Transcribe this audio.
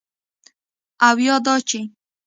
او یا دا چې: